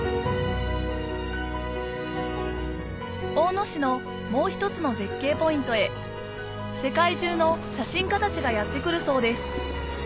大野市のもう一つの絶景ポイントへ世界中の写真家たちがやって来るそうです